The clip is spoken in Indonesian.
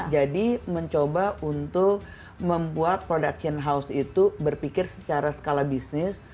jadi mencoba untuk membuat production house itu berpikir secara skala bisnis